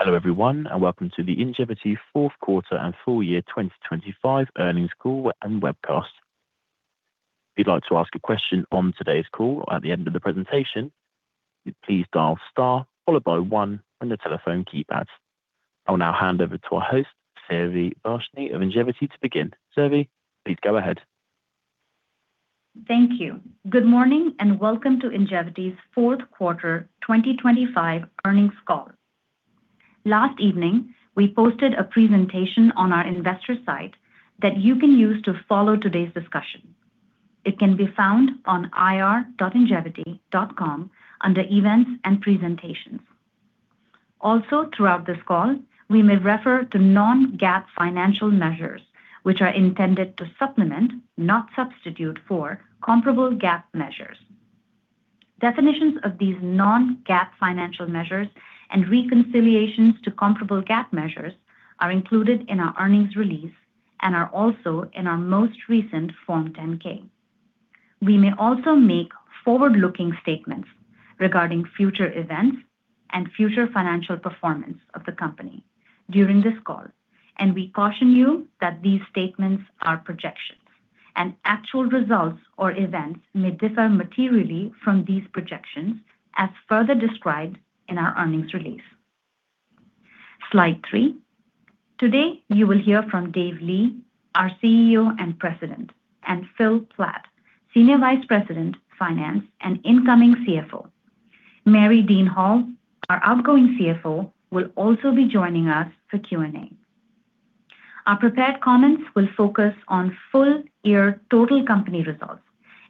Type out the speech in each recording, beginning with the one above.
Hello, everyone, welcome to the Ingevity fourth quarter and full year 2025 earnings call and webcast. If you'd like to ask a question on today's call or at the end of the presentation, please dial star followed by one on your telephone keypad. I will now hand over to our host, Survi Varshney of Ingevity, to begin. Survi, please go ahead. Thank you. Good morning, welcome to Ingevity's fourth quarter 2025 earnings call. Last evening, we posted a presentation on our investor site that you can use to follow today's discussion. It can be found on ir.ingevity.com under Events and Presentations. Throughout this call, we may refer to non-GAAP financial measures, which are intended to supplement, not substitute for, comparable GAAP measures. Definitions of these non-GAAP financial measures and reconciliations to comparable GAAP measures are included in our earnings release and are also in our most recent Form 10-K. We may also make forward-looking statements regarding future events and future financial performance of the company during this call, and we caution you that these statements are projections, and actual results or events may differ materially from these projections, as further described in our earnings release. Slide three. Today, you will hear from Dave Li, our CEO and President, and Phil Platt, Senior Vice President, Finance, and incoming CFO. Mary Dean Hall, our outgoing CFO, will also be joining us for Q&A. Our prepared comments will focus on full-year total company results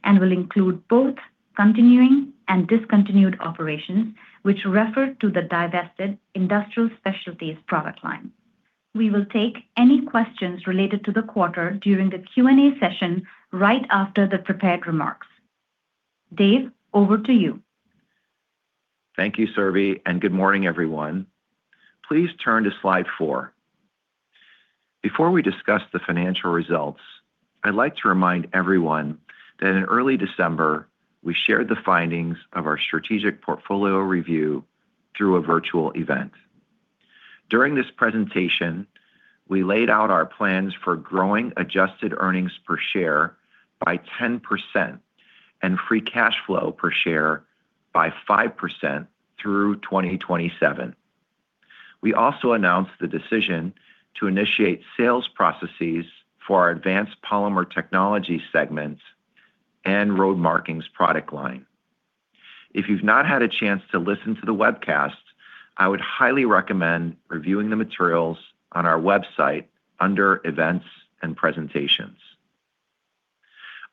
and will include both continuing and discontinued operations, which refer to the divested Industrial Specialties product line. We will take any questions related to the quarter during the Q&A session right after the prepared remarks. Dave, over to you. Thank you, Survi. Good morning, everyone. Please turn to slide four. Before we discuss the financial results, I'd like to remind everyone that in early December, we shared the findings of our strategic portfolio review through a virtual event. During this presentation, we laid out our plans for growing adjusted earnings per share by 10% and free cash flow per share by 5% through 2027. We also announced the decision to initiate sales processes for our Advanced Polymer Technologies segments and Road Markings product line. If you've not had a chance to listen to the webcast, I would highly recommend reviewing the materials on our website under Events and Presentations.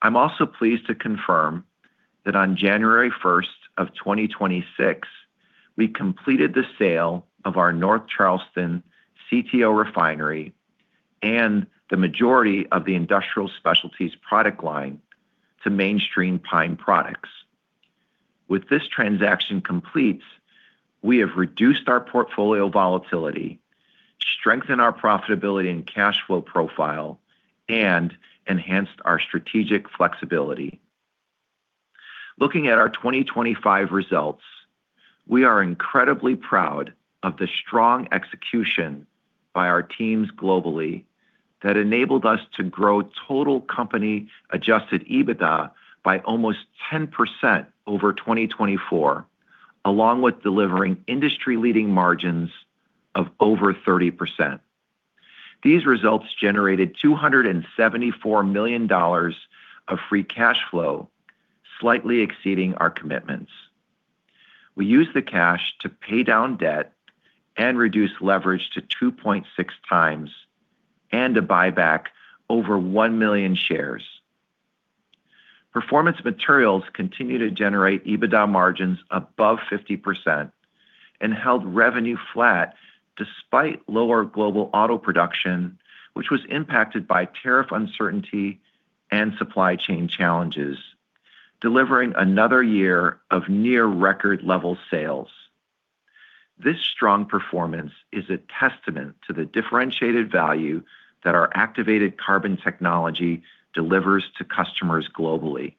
I'm also pleased to confirm that on January 1st of 2026, we completed the sale of our North Charleston CTO refinery and the majority of the Industrial Specialties product line to Mainstream Pine Products. With this transaction complete, we have reduced our portfolio volatility, strengthened our profitability and cash flow profile, and enhanced our strategic flexibility. Looking at our 2025 results, we are incredibly proud of the strong execution by our teams globally that enabled us to grow total company Adjusted EBITDA by almost 10% over 2024, along with delivering industry-leading margins of over 30%. These results generated $274 million of free cash flow, slightly exceeding our commitments. We used the cash to pay down debt and reduce leverage to 2.6x and to buy back over 1 million shares. Performance Materials continue to generate EBITDA margins above 50% and held revenue flat despite lower global auto production, which was impacted by tariff uncertainty and supply chain challenges, delivering another year of near-record level sales. This strong performance is a testament to the differentiated value that our activated carbon technology delivers to customers globally.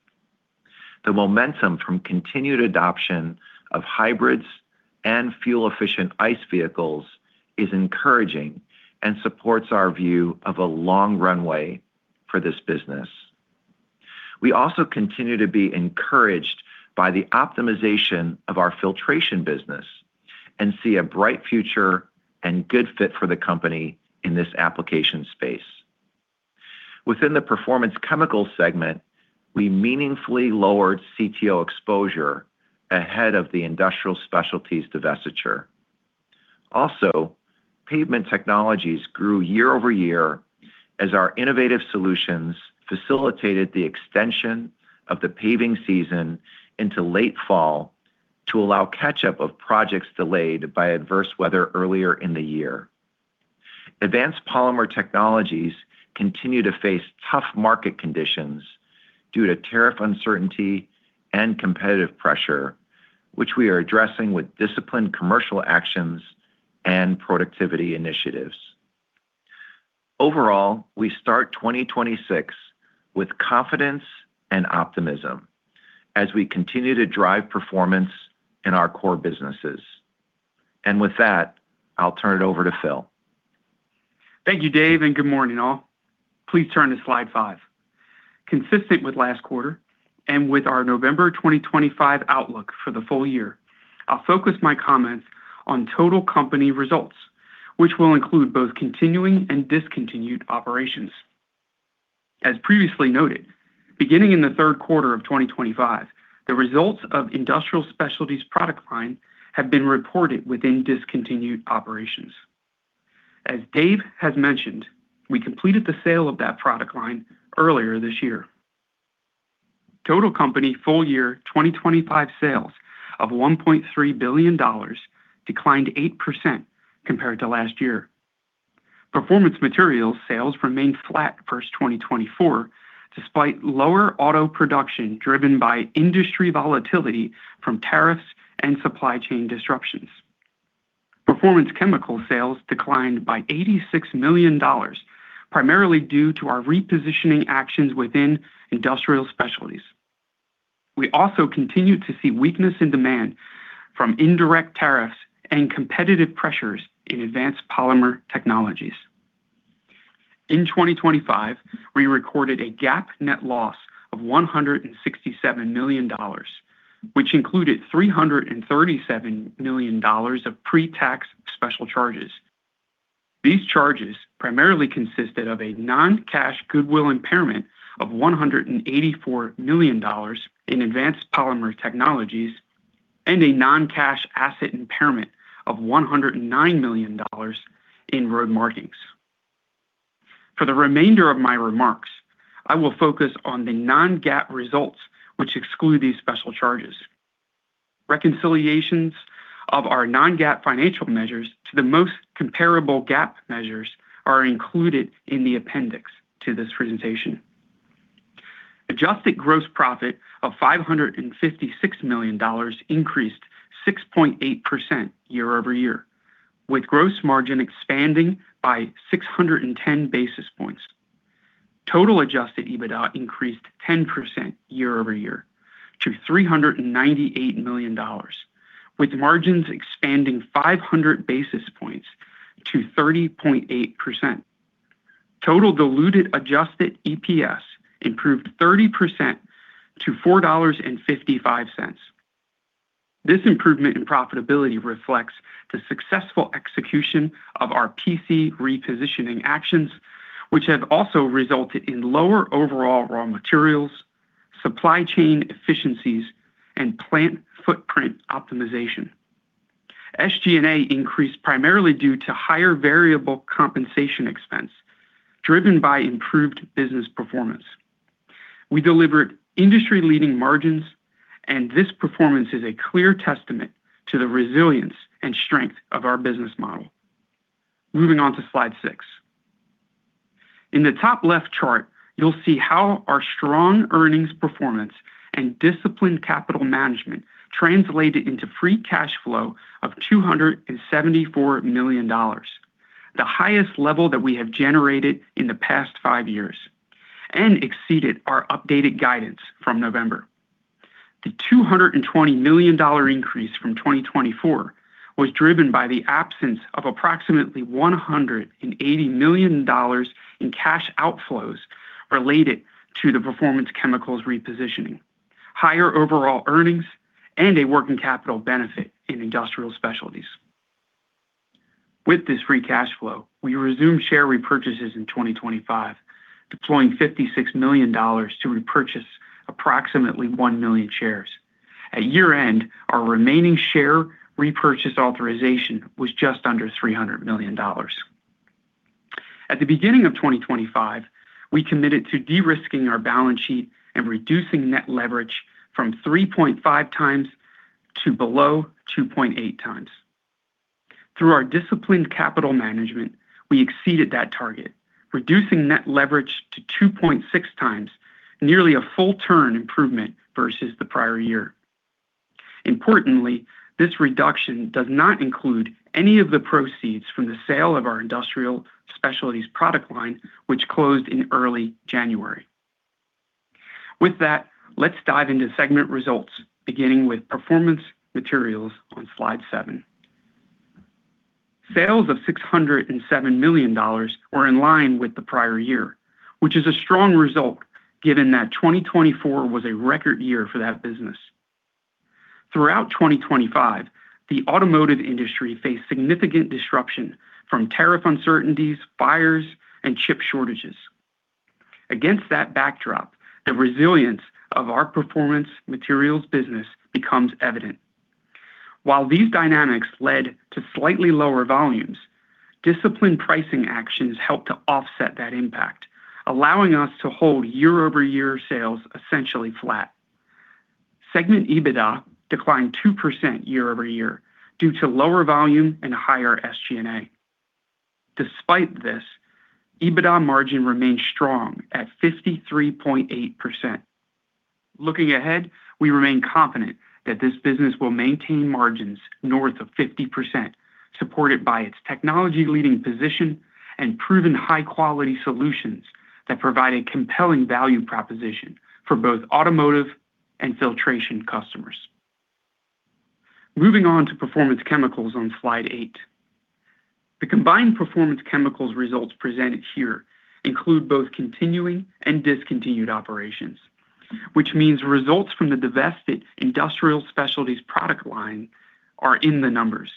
The momentum from continued adoption of hybrids and fuel-efficient ICE vehicles is encouraging and supports our view of a long runway for this business. We also continue to be encouraged by the optimization of our filtration business and see a bright future and good fit for the company in this application space. Within the Performance Chemicals segment, we meaningfully lowered CTO exposure ahead of the Industrial Specialties divestiture. Pavement Technologies grew year-over-year as our innovative solutions facilitated the extension of the paving season into late fall to allow catch-up of projects delayed by adverse weather earlier in the year. Advanced Polymer Technologies continue to face tough market conditions due to tariff uncertainty and competitive pressure, which we are addressing with disciplined commercial actions and productivity initiatives. Overall, we start 2026 with confidence and optimism as we continue to drive performance in our core businesses. With that, I'll turn it over to Phil. Thank you, Dave. Good morning, all. Please turn to slide 5. Consistent with last quarter and with our November 2025 outlook for the full year, I'll focus my comments on total company results, which will include both continuing and discontinued operations. As previously noted, beginning in the third quarter of 2025, the results of Industrial Specialties product line have been reported within discontinued operations. As Dave has mentioned, we completed the sale of that product line earlier this year. Total company full year 2025 sales of $1.3 billion declined 8% compared to last year. Performance Materials sales remained flat versus 2024, despite lower auto production, driven by industry volatility from tariffs and supply chain disruptions. Performance Chemicals sales declined by $86 million, primarily due to our repositioning actions within Industrial Specialties. We also continued to see weakness in demand from indirect tariffs and competitive pressures in Advanced Polymer Technologies. In 2025, we recorded a GAAP net loss of $167 million, which included $337 million of pre-tax special charges. These charges primarily consisted of a non-cash goodwill impairment of $184 million in Advanced Polymer Technologies and a non-cash asset impairment of $109 million in Road Markings. For the remainder of my remarks, I will focus on the non-GAAP results, which exclude these special charges. Reconciliations of our non-GAAP financial measures to the most comparable GAAP measures are included in the appendix to this presentation. Adjusted gross profit of $556 million increased 6.8% year-over-year, with gross margin expanding by 610 basis points. Total Adjusted EBITDA increased 10% year-over-year to $398 million, with margins expanding 500 basis points to 30.8%. Total diluted Adjusted EPS improved 30% to $4.55. This improvement in profitability reflects the successful execution of our PC repositioning actions, which have also resulted in lower overall raw materials, supply chain efficiencies, and plant footprint optimization. SG&A increased primarily due to higher variable compensation expense, driven by improved business performance. We delivered industry-leading margins, and this performance is a clear testament to the resilience and strength of our business model. Moving on to slide six. In the top left chart, you'll see how our strong earnings performance and disciplined capital management translated into free cash flow of $274 million, the highest level that we have generated in the past five years, and exceeded our updated guidance from November. The $220 million increase from 2024 was driven by the absence of approximately $180 million in cash outflows related to the Performance Chemicals repositioning, higher overall earnings, and a working capital benefit in Industrial Specialties. With this free cash flow, we resumed share repurchases in 2025, deploying $56 million to repurchase approximately 1 million shares. At year-end, our remaining share repurchase authorization was just under $300 million. At the beginning of 2025, we committed to de-risking our balance sheet and reducing net leverage from 3.5x to below 2.8x. Through our disciplined capital management, we exceeded that target, reducing net leverage to 2.6x, nearly a full turn improvement versus the prior year. Importantly, this reduction does not include any of the proceeds from the sale of our Industrial Specialties product line, which closed in early January. Let's dive into segment results, beginning with Performance Materials on Slide seven. Sales of $607 million were in line with the prior year, which is a strong result given that 2024 was a record year for that business. Throughout 2025, the automotive industry faced significant disruption from tariff uncertainties, fires, and chip shortages. Against that backdrop, the resilience of our Performance Materials business becomes evident. While these dynamics led to slightly lower volumes, disciplined pricing actions helped to offset that impact, allowing us to hold year-over-year sales essentially flat. Segment EBITDA declined 2% year-over-year due to lower volume and higher SG&A. Despite this, EBITDA margin remained strong at 53.8%. Looking ahead, we remain confident that this business will maintain margins north of 50%, supported by its technology-leading position and proven high-quality solutions that provide a compelling value proposition for both automotive and filtration customers. Moving on to Performance Chemicals on slide eight. The combined Performance Chemicals results presented here include both continuing and discontinued operations, which means results from the divested Industrial Specialties product line are in the numbers.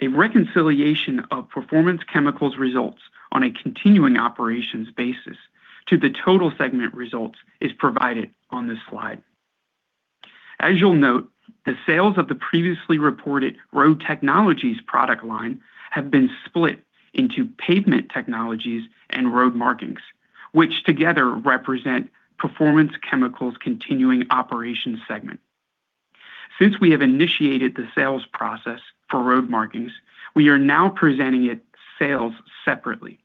A reconciliation of Performance Chemicals results on a continuing operations basis to the total segment results is provided on this slide. As you'll note, the sales of the previously reported Road Technologies product line have been split into Pavement Technologies and Road Markings, which together represent Performance Chemicals' continuing operations segment. Since we have initiated the sales process for Road Markings, we are now presenting its sales separately.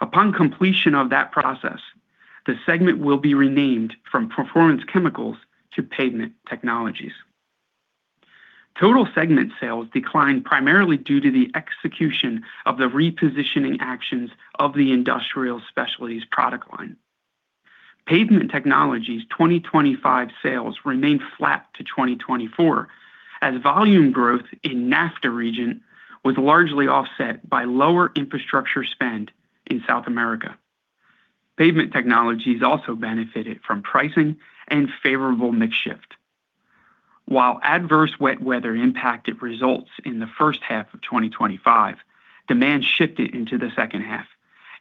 Upon completion of that process, the segment will be renamed from Performance Chemicals to Pavement Technologies. Total segment sales declined primarily due to the execution of the repositioning actions of the Industrial Specialties product line. Pavement Technologies' 2025 sales remained flat to 2024, as volume growth in NAFTA region was largely offset by lower infrastructure spend in South America. Pavement Technologies also benefited from pricing and favorable mix shift. While adverse wet weather impacted results in the first half of 2025, demand shifted into the second half,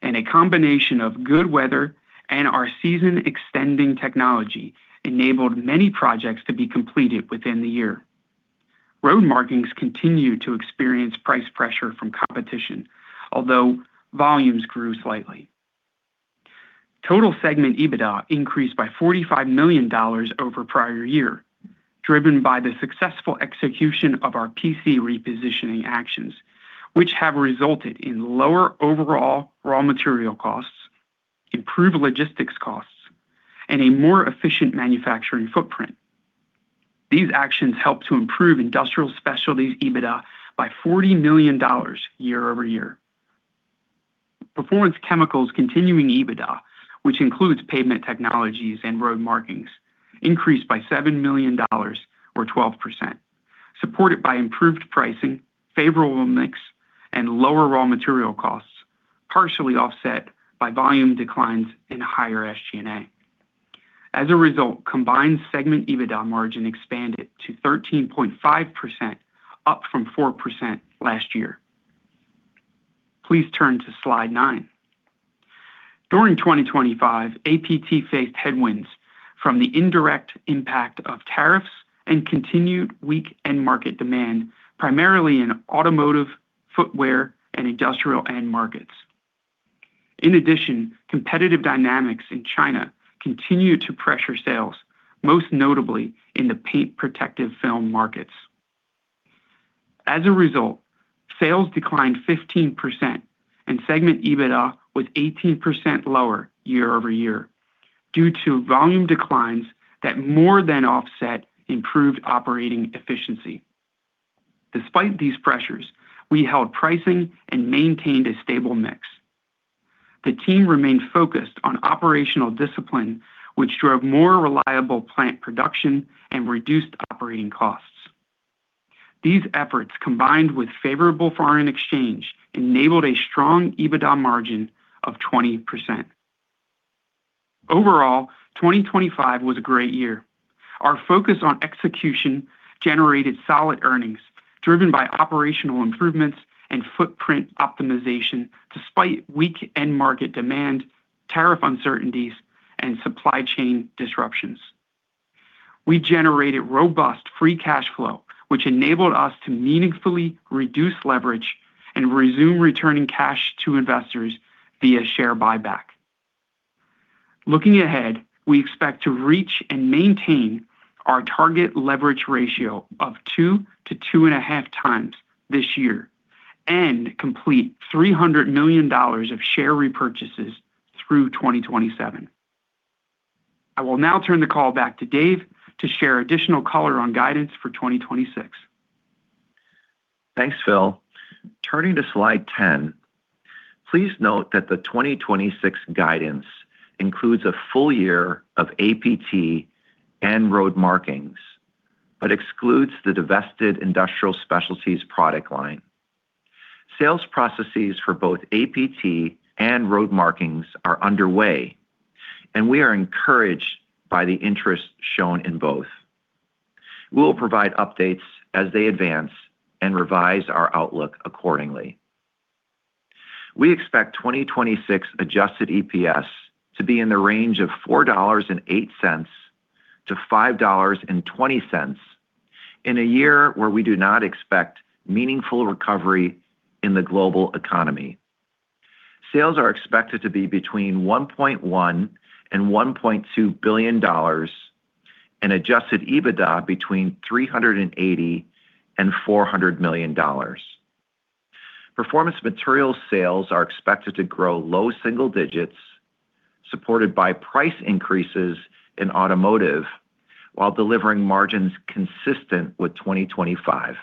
and a combination of good weather and our season-extending technology enabled many projects to be completed within the year. Road Markings continued to experience price pressure from competition, although volumes grew slightly. Total Segment EBITDA increased by $45 million over prior year, driven by the successful execution of our PC repositioning actions, which have resulted in lower overall raw material costs, improved logistics costs, and a more efficient manufacturing footprint. These actions helped to improve Industrial Specialties' EBITDA by $40 million year-over-year. Performance Chemicals' continuing EBITDA, which includes Pavement Technologies and Road Markings, increased by $7 million or 12%, supported by improved pricing, favorable mix, and lower raw material costs, partially offset by volume declines in higher SG&A. Combined Segment EBITDA margin expanded to 13.5%, up from 4% last year. Please turn to slide nine. During 2025, APT faced headwinds from the indirect impact of tariffs and continued weak end market demand, primarily in automotive, footwear, and industrial end markets. Competitive dynamics in China continued to pressure sales, most notably in the paint protection film markets. Sales declined 15% and Segment EBITDA was 18% lower year-over-year due to volume declines that more than offset improved operating efficiency. Despite these pressures, we held pricing and maintained a stable mix. The team remained focused on operational discipline, which drove more reliable plant production and reduced operating costs. These efforts, combined with favorable foreign exchange, enabled a strong EBITDA margin of 20%. 2025 was a great year. Our focus on execution generated solid earnings, driven by operational improvements and footprint optimization, despite weak end market demand, tariff uncertainties, and supply chain disruptions. We generated robust free cash flow, which enabled us to meaningfully reduce leverage and resume returning cash to investors via share buyback. Looking ahead, we expect to reach and maintain our target leverage ratio of two-2.5x this year and complete $300 million of share repurchases through 2027. I will now turn the call back to Dave to share additional color on guidance for 2026. Thanks, Phil. Turning to slide 10, please note that the 2026 guidance includes a full year of APT and Road Markings, but excludes the divested Industrial Specialties product line. Sales processes for both APT and Road Markings are underway, and we are encouraged by the interest shown in both. We will provide updates as they advance and revise our outlook accordingly. We expect 2026 Adjusted EPS to be in the range of $4.08-$5.20 in a year where we do not expect meaningful recovery in the global economy. Sales are expected to be between $1.1 billion and $1.2 billion, and Adjusted EBITDA between $380 million and $400 million. Performance Materials sales are expected to grow low single digits, supported by price increases in automotive, while delivering margins consistent with 2025.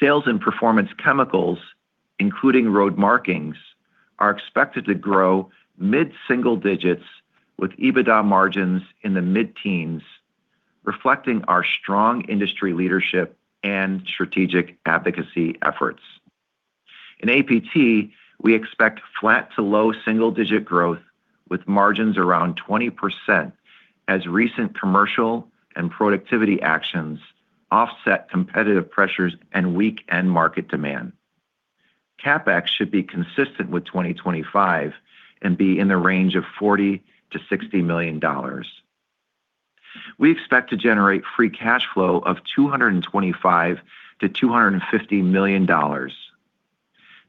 Sales, Performance Chemicals, including Road Markings, are expected to grow mid-single digits with EBITDA margins in the mid-teens, reflecting our strong industry leadership and strategic advocacy efforts. In APT, we expect flat to low single-digit growth with margins around 20%, as recent commercial and productivity actions offset competitive pressures and weak end market demand. CapEx should be consistent with 2025 and be in the range of $40 million-$60 million. We expect to generate free cash flow of $225 million-$250 million.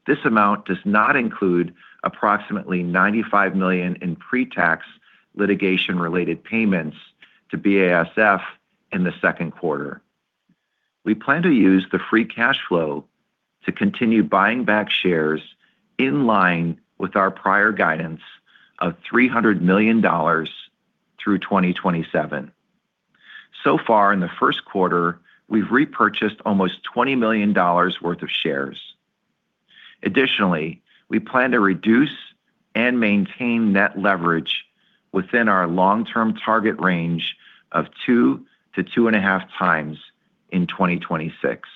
This amount does not include approximately $95 million in pre-tax litigation-related payments to BASF in the second quarter. We plan to use the free cash flow to continue buying back shares in line with our prior guidance of $300 million through 2027. In the first quarter, we've repurchased almost $20 million worth of shares. Additionally, we plan to reduce and maintain net leverage within our long-term target range of 2x-2.5x in 2026.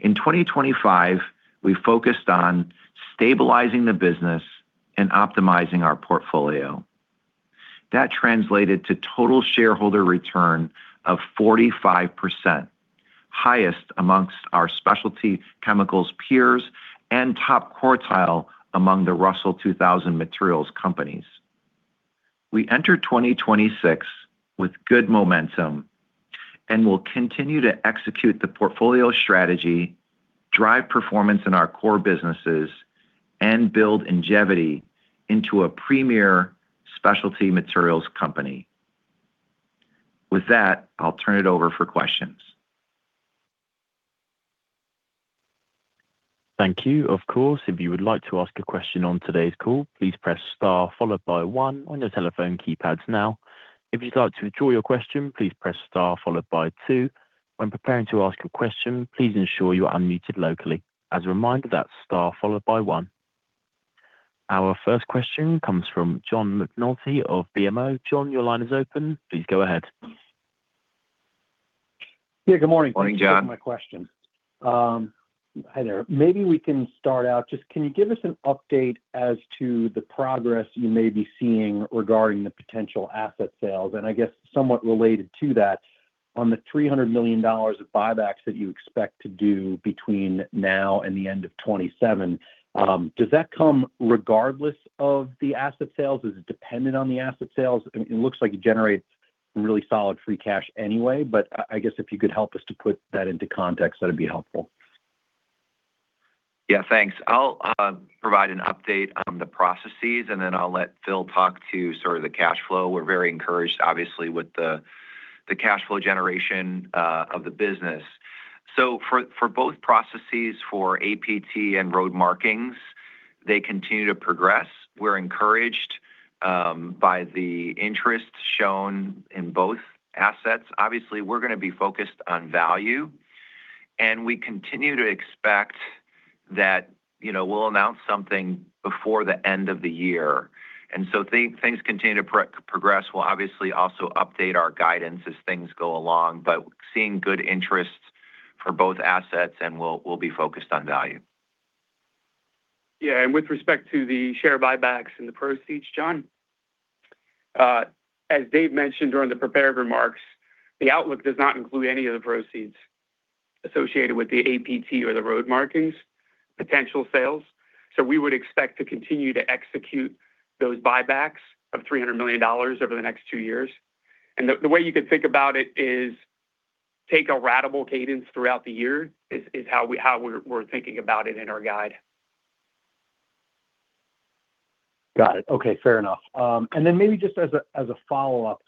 In 2025, we focused on stabilizing the business and optimizing our portfolio. That translated to total shareholder return of 45%, highest amongst our specialty chemicals peers and top quartile among the Russell 2000 materials companies. We enter 2026 with good momentum and will continue to execute the portfolio strategy, drive performance in our core businesses, and build Ingevity into a premier specialty materials company. With that, I'll turn it over for questions. Thank you. Of course, if you would like to ask a question on today's call, please press Star followed by one on your telephone keypads now. If you'd like to withdraw your question, please press Star followed by two. When preparing to ask a question, please ensure you are unmuted locally. As a reminder, that's Star followed by one. Our first question comes from John McNulty of BMO. John, your line is open. Please go ahead. Yeah, good morning. Morning, John. Thanks for taking my question. Hi there. Maybe we can start out, just can you give us an update as to the progress you may be seeing regarding the potential asset sales? I guess somewhat related to that, on the $300 million of buybacks that you expect to do between now and the end of 2027, does that come regardless of the asset sales? Is it dependent on the asset sales? It looks like it generates really solid free cash anyway, but I guess if you could help us to put that into context, that'd be helpful. Thanks. I'll provide an update on the processes, then I'll let Phil talk to sort of the cash flow. We're very encouraged, obviously, with the cash flow generation of the business. For both processes, for APT and Road Markings, they continue to progress. We're encouraged by the interest shown in both assets. Obviously, we're gonna be focused on value. We continue to expect that, you know, we'll announce something before the end of the year. Things continue to progress. We'll obviously also update our guidance as things go along. Seeing good interest for both assets, we'll be focused on value. Yeah, with respect to the share buybacks and the proceeds, John, as Dave mentioned during the prepared remarks, the outlook does not include any of the proceeds associated with the APT or the Road Markings, potential sales. We would expect to continue to execute those buybacks of $300 million over the next two years. The way you could think about it is take a ratable cadence throughout the year, is how we're thinking about it in our guide. Got it. Okay, fair enough. Then maybe just as a, as a follow-up,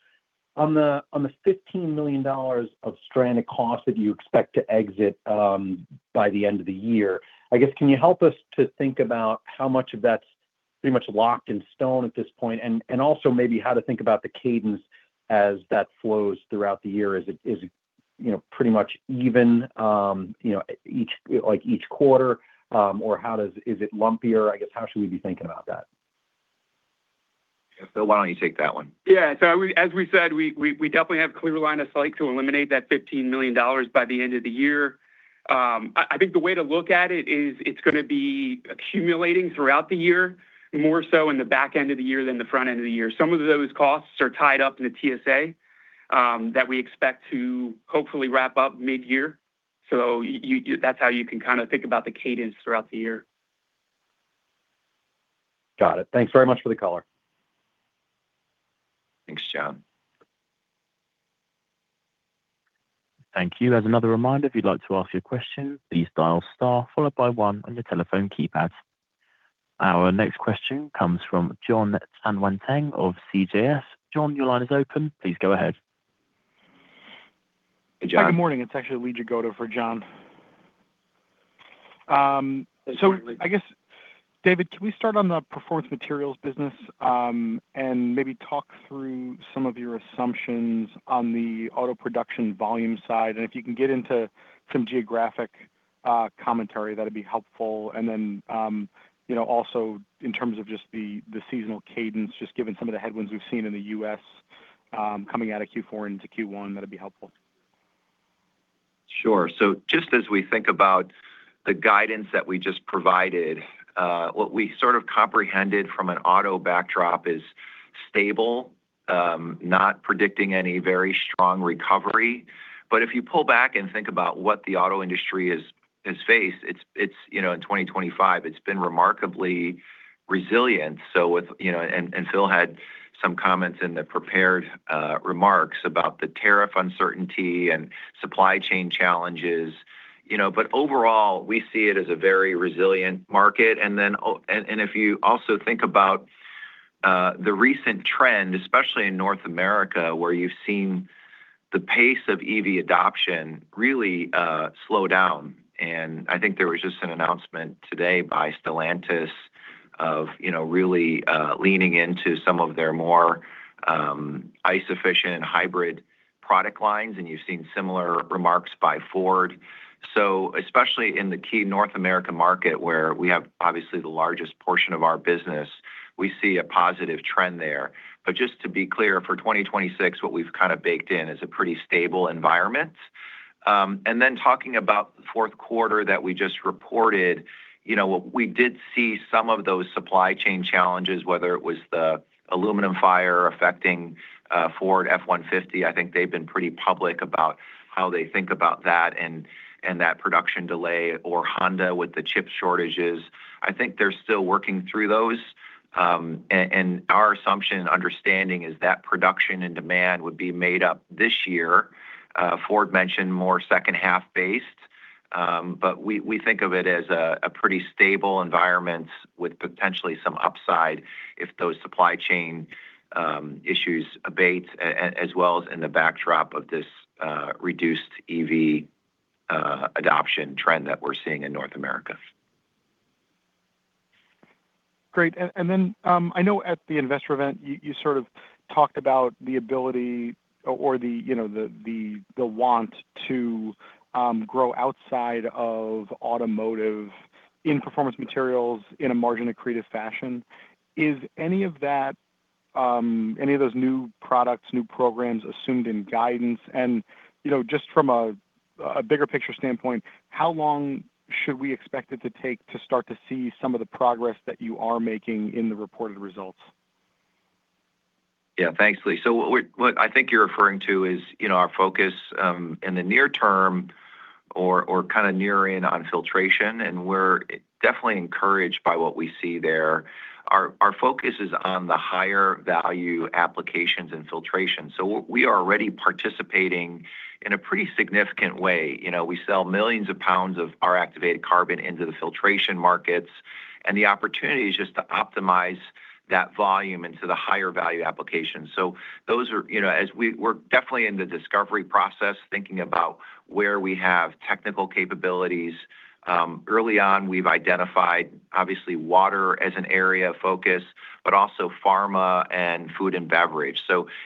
on the $15 million of stranded costs that you expect to exit by the end of the year, I guess, can you help us to think about how much of that's pretty much locked in stone at this point? Also maybe how to think about the cadence as that flows throughout the year. Is it, you know, pretty much even, you know, each, like, each quarter, or is it lumpier, I guess, how should we be thinking about that? Yeah. Phil, why don't you take that one? Yeah. As we said, we definitely have clear line of sight to eliminate that $15 million by the end of the year. I think the way to look at it is it's gonna be accumulating throughout the year, more so in the back end of the year than the front end of the year. Some of those costs are tied up in the TSA that we expect to hopefully wrap up mid-year. That's how you can kinda think about the cadence throughout the year. Got it. Thanks very much for the call. Thanks, John. Thank you. As another reminder, if you'd like to ask your question, please dial Star, followed by one on your telephone keypad. Our next question comes from Jon Tanwanteng of CJS. Jon, your line is open. Please go ahead. Good morning, it's actually Lee Jagoda for John. I guess, David, can we start on the Performance Materials business, and maybe talk through some of your assumptions on the auto production volume side? If you can get into some geographic commentary, that'd be helpful. You know, also in terms of just the seasonal cadence, just given some of the headwinds we've seen in the U.S., coming out of Q4 into Q1, that'd be helpful. Sure. Just as we think about the guidance that we just provided, what we sort of comprehended from an auto backdrop is stable, not predicting any very strong recovery. If you pull back and think about what the auto industry has faced, it's, you know, in 2025, it's been remarkably resilient. With, you know, and Phil had some comments in the prepared remarks about the tariff uncertainty and supply chain challenges, you know. Overall, we see it as a very resilient market. If you also think about the recent trend, especially in North America, where you've seen the pace of EV adoption really slow down. I think there was just an announcement today by Stellantis of, you know, really leaning into some of their more ICE-efficient hybrid product lines, and you've seen similar remarks by Ford. Especially in the key North America market, where we have obviously the largest portion of our business, we see a positive trend there. Just to be clear, for 2026, what we've kind of baked in is a pretty stable environment. Talking about the fourth quarter that we just reported, you know, we did see some of those supply chain challenges, whether it was the aluminum fire affecting Ford F-150. I think they've been pretty public about how they think about that and that production delay, or Honda with the chip shortages. I think they're still working through those. Our assumption and understanding is that production and demand would be made up this year. Ford mentioned more second-half based, but we think of it as a pretty stable environment with potentially some upside if those supply chain issues abate, as well as in the backdrop of this reduced EV adoption trend that we're seeing in North America. Great. Then, I know at the investor event, you sort of talked about the ability or the, you know, the want to grow outside of automotive in Performance Materials in a margin-accretive fashion. Is any of that, any of those new products, new programs assumed in guidance? You know, just from a bigger picture standpoint, how long should we expect it to take to start to see some of the progress that you are making in the reported results? Yeah, thanks, Lee. What I think you're referring to is, you know, our focus in the near term or kind of nearing on filtration, and we're definitely encouraged by what we see there. Our focus is on the higher value applications in filtration. We are already participating in a pretty significant way. You know, we sell millions of pounds of our activated carbon into the filtration markets, and the opportunity is just to optimize that volume into the higher value applications. Those are, you know, we're definitely in the discovery process, thinking about where we have technical capabilities. Early on, we've identified, obviously, water as an area of focus, but also pharma and food and beverage.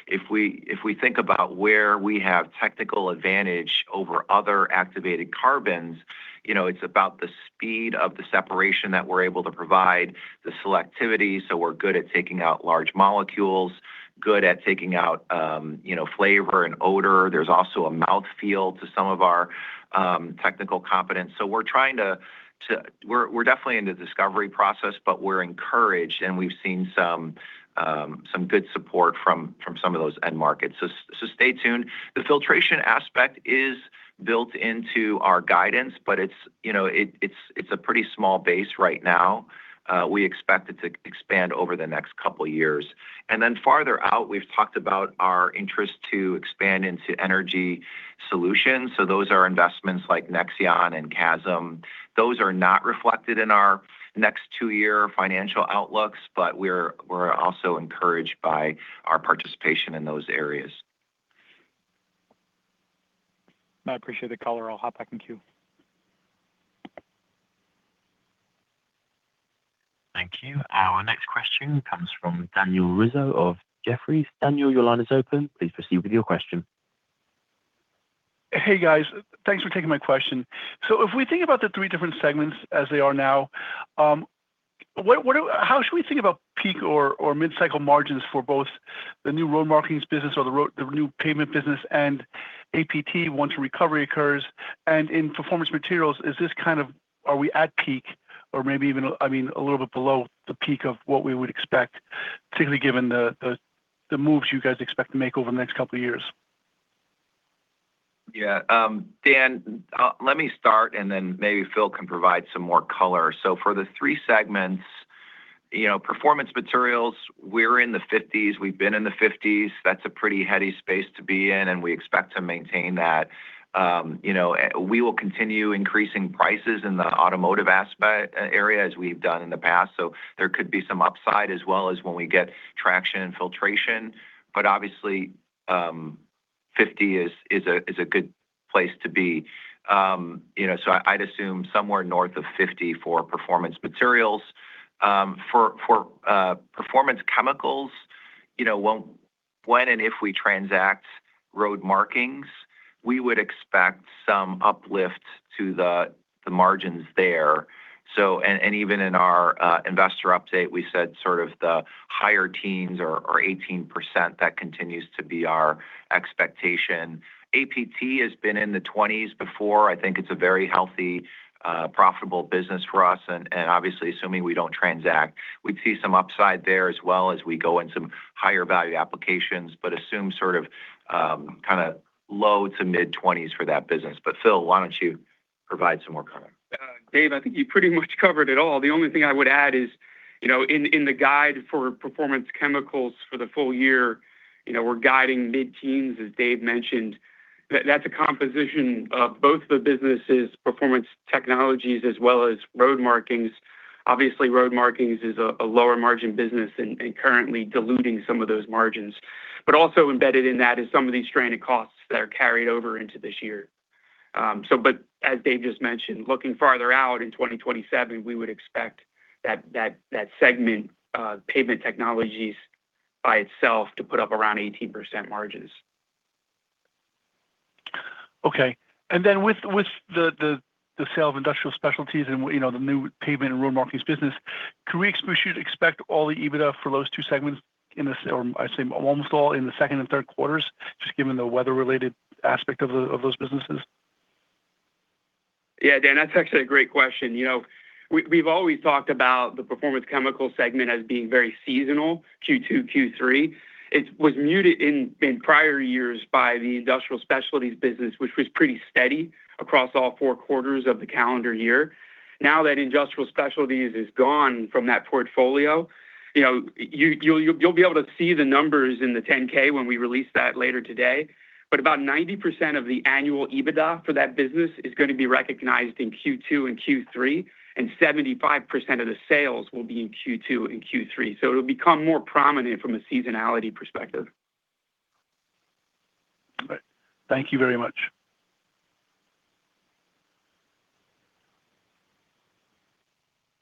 If we think about where we have technical advantage over other activated carbons, you know, it's about the speed of the separation that we're able to provide, the selectivity, so we're good at taking out large molecules, good at taking out, you know, flavor and odor. There's also a mouthfeel to some of our technical competence. We're definitely in the discovery process, but we're encouraged, and we've seen some good support from some of those end markets. Stay tuned. The filtration aspect is built into our guidance, but it's, you know, it's a pretty small base right now. We expect it to expand over the next couple of years. Farther out, we've talked about our interest to expand into energy solutions. Those are investments like Nexeon and CAPA. Those are not reflected in our next two-year financial outlooks, but we're also encouraged by our participation in those areas. I appreciate the call. I'll hop back in queue. Thank you. Our next question comes from Daniel Rizzo of Jefferies. Daniel, your line is open. Please proceed with your question. Hey, guys. Thanks for taking my question. If we think about the three different segments as they are now, how should we think about peak or mid-cycle margins for both the new Road Markings business or the new Pavement business and APT once a recovery occurs? In Performance Materials, Are we at peak or maybe even, I mean, a little bit below the peak of what we would expect, particularly given the moves you guys expect to make over the next couple of years? Dan, let me start, and then maybe Phil can provide some more color. For the three segments, you know, Performance Materials, we're in the 50s. We've been in the 50s. That's a pretty heady space to be in, and we expect to maintain that. We will continue increasing prices in the automotive aspect area, as we've done in the past. There could be some upside as well as when we get traction and filtration. Obviously, 50 is a good place to be. You know, I'd assume somewhere north of 50 for Performance Materials. For Performance Chemicals, you know, when and if we transact Road Markings, we would expect some uplift to the margins there. Even in our investor update, we said sort of the higher teens or 18%, that continues to be our expectation. APT has been in the 20s before. I think it's a very healthy, profitable business for us, and obviously, assuming we don't transact, we'd see some upside there as well as we go in some higher value applications, but assume sort of, kinda low to mid-20s for that business. Phil, why don't you provide some more comment? Dave, I think you pretty much covered it all. The only thing I would add is, you know, in the guide for Performance Chemicals for the full year, you know, we're guiding mid-teens, as Dave mentioned. That's a composition of both the businesses, Performance Technologies as well as Road Markings. Obviously, Road Markings is a lower margin business and currently diluting some of those margins. Also embedded in that is some of these stranded costs that are carried over into this year. As Dave just mentioned, looking farther out in 2027, we would expect that segment, Pavement Technologies by itself to put up around 18% margins. Okay. With the sale of Industrial Specialties and, you know, the new Pavement and Road Markings business, can we expect you to expect all the EBITDA for those two segments or I'd say almost all in the second and third quarters, just given the weather-related aspect of those businesses? Yeah, Dan, that's actually a great question. You know, we've always talked about the Performance Chemicals segment as being very seasonal, Q2, Q3. It was muted in prior years by the Industrial Specialties business, which was pretty steady across all four quarters of the calendar year. That Industrial Specialties is gone from that portfolio, you know, you'll be able to see the numbers in the 10-K when we release that later today. About 90% of the annual EBITDA for that business is gonna be recognized in Q2 and Q3, and 75% of the sales will be in Q2 and Q3. It'll become more prominent from a seasonality perspective. All right. Thank you very much.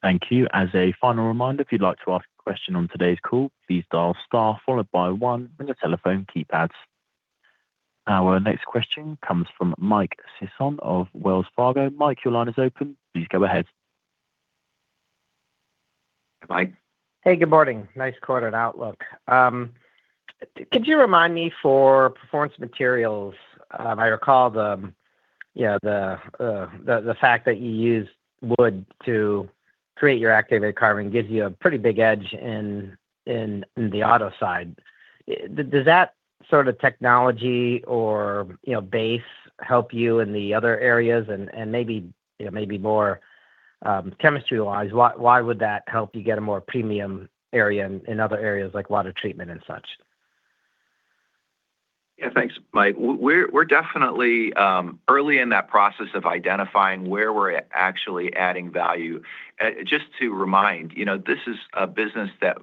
Thank you. As a final reminder, if you'd like to ask a question on today's call, please dial star followed by one in your telephone keypads. Our next question comes from Michael Sison of Wells Fargo. Mike, your line is open. Please go ahead. Hi, Mike. Hey, good morning. Nice quartered outlook. Could you remind me for Performance Materials, I recall the, you know, the fact that you use wood to create your activated carbon gives you a pretty big edge in the auto side. Does that sort of technology or, you know, base help you in the other areas? Maybe, you know, maybe more, chemistry-wise, why would that help you get a more premium area in other areas, like water treatment and such? Yeah, thanks, Mike. We're definitely early in that process of identifying where we're at actually adding value. Just to remind, you know, this is a business that,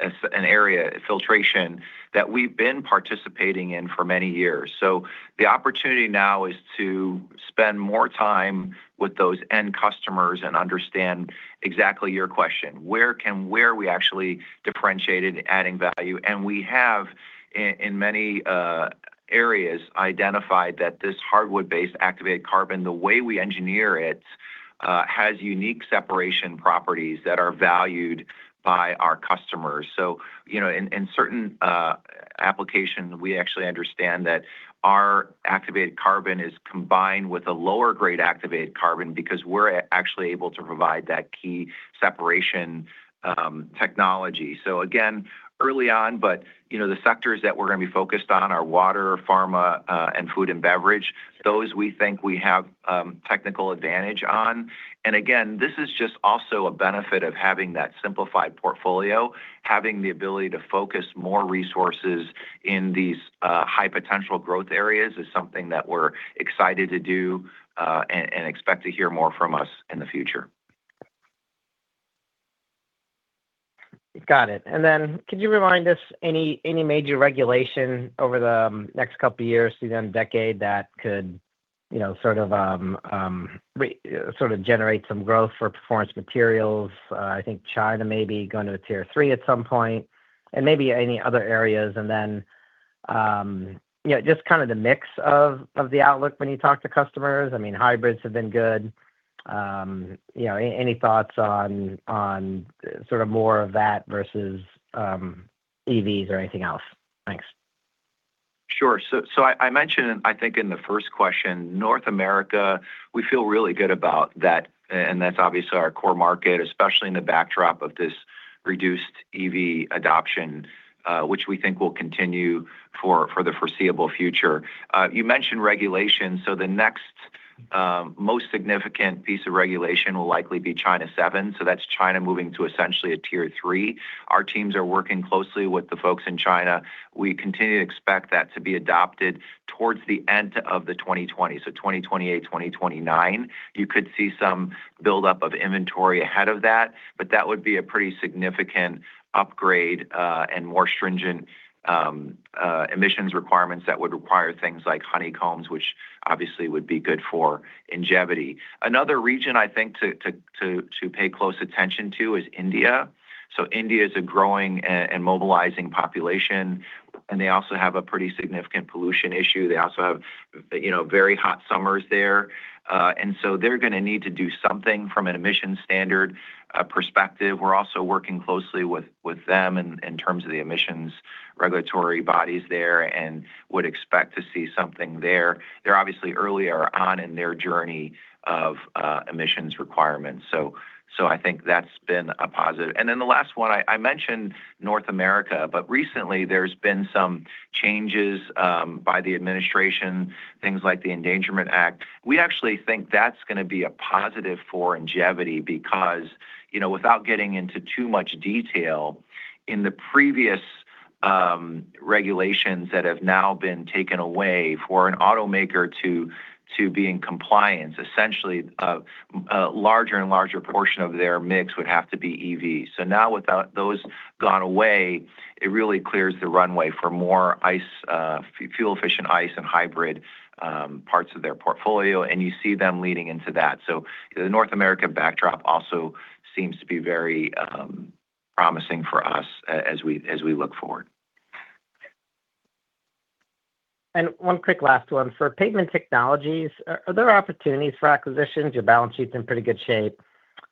as an area, filtration, that we've been participating in for many years. The opportunity now is to spend more time with those end customers and understand exactly your question: where can we actually differentiate in adding value? We have in many areas identified that this hardwood-based activated carbon, the way we engineer it, has unique separation properties that are valued by our customers. You know, in certain application, we actually understand that our activated carbon is combined with a lower grade activated carbon because we're actually able to provide that key separation technology. Again, early on, but you know, the sectors that we're gonna be focused on are water, pharma, and food and beverage. Those we think we have technical advantage on. Again, this is just also a benefit of having that simplified portfolio. Having the ability to focus more resources in these high potential growth areas is something that we're excited to do, and expect to hear more from us in the future. Got it. Could you remind us any major regulation over the next two years to the end of the decade that could, you know, sort of generate some growth for Performance Materials? I think China may be going to a Tier 3 at some point and maybe any other areas. You know, just kind of the mix of the outlook when you talk to customers. I mean, hybrids have been good. You know, any thoughts on sort of more of that versus EVs or anything else? Thanks. Sure. I mentioned, I think in the first question, North America, we feel really good about that, and that's obviously our core market, especially in the backdrop of this reduced EV adoption, which we think will continue for the foreseeable future. You mentioned regulations, the most significant piece of regulation will likely be China 7. That's China moving to essentially a tier 3. Our teams are working closely with the folks in China. We continue to expect that to be adopted towards the end of 2020. 2028, 2029, you could see some buildup of inventory ahead of that, but that would be a pretty significant upgrade and more stringent emissions requirements that would require things like honeycombs, which obviously would be good for Ingevity. Another region I think to pay close attention to is India. India is a growing and mobilizing population, and they also have a pretty significant pollution issue. They also have, you know, very hot summers there, and so they're gonna need to do something from an emission standard perspective. We're also working closely with them in terms of the emissions regulatory bodies there and would expect to see something there. They're obviously earlier on in their journey of emissions requirements. I think that's been a positive. The last one, I mentioned North America, but recently there's been some changes by the administration, things like the Endangerment Finding. We actually think that's gonna be a positive for Ingevity, because, you know, without getting into too much detail, in the previous regulations that have now been taken away, for an automaker to be in compliance, essentially, a larger and larger portion of their mix would have to be EVs. Now, without those gone away, it really clears the runway for more ICE, fuel-efficient ICE and hybrid, parts of their portfolio, and you see them leading into that. The North American backdrop also seems to be very promising for us as we look forward. One quick last one. For Pavement Technologies, are there opportunities for acquisitions? Your balance sheet's in pretty good shape,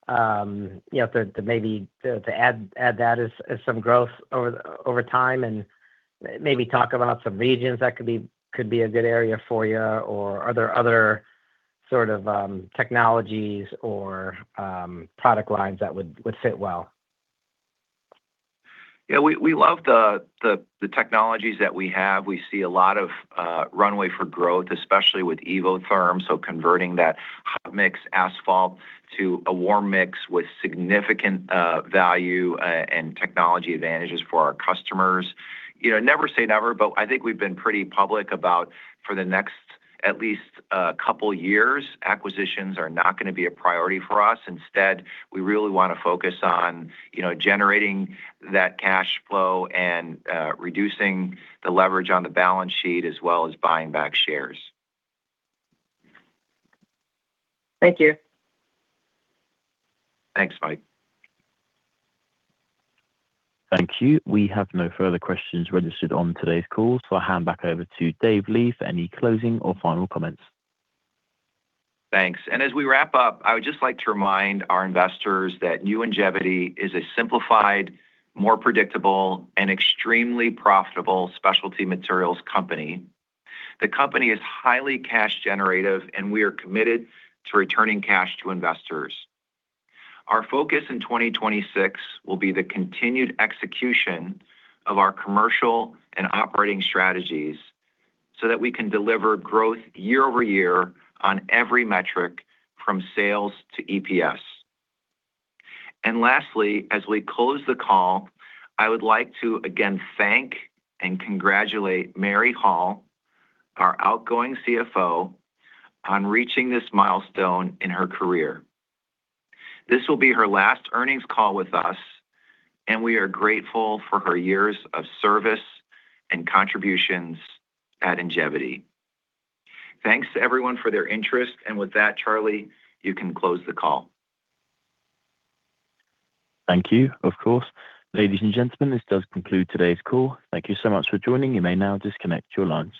you know, to maybe to add that as some growth over time, and maybe talk about some regions that could be a good area for you, or are there other sort of technologies or product lines that would fit well? Yeah, we love the technologies that we have. We see a lot of runway for growth, especially with Evotherm, converting that hot mix asphalt to a warm mix with significant value and technology advantages for our customers. You know, never say never, but I think we've been pretty public about for the next at least a couple of years, acquisitions are not gonna be a priority for us. Instead, we really wanna focus on, you know, generating that cash flow and reducing the leverage on the balance sheet, as well as buying back shares. Thank you. Thanks, Mike. Thank you. We have no further questions registered on today's call, so I'll hand back over to Dave Li for any closing or final comments. Thanks. As we wrap up, I would just like to remind our investors that new Ingevity is a simplified, more predictable, and extremely profitable specialty materials company. The company is highly cash generative, and we are committed to returning cash to investors. Our focus in 2026 will be the continued execution of our commercial and operating strategies so that we can deliver growth year-over-year on every metric from sales to EPS. Lastly, as we close the call, I would like to again thank and congratulate Mary Hall, our outgoing CFO, on reaching this milestone in her career. This will be her last earnings call with us, and we are grateful for her years of service and contributions at Ingevity. Thanks to everyone for their interest, and with that, Charlie, you can close the call. Thank you. Of course. Ladies and gentlemen, this does conclude today's call. Thank you so much for joining. You may now disconnect your lines.